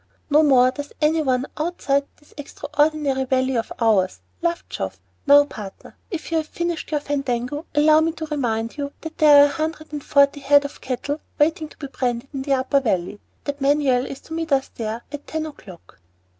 "No more does any one outside this extraordinary valley of ours," laughed Geoff. "Now, partner, if you have finished your fandango, allow me to remind you that there are a hundred and forty head of cattle waiting to be branded in the upper valley, and that Manuel is to meet us there at ten o'clock."